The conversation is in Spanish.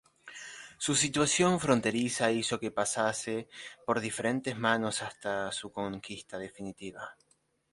Su situación fronteriza hizo que pasase por diferentes manos hasta su conquista definitiva.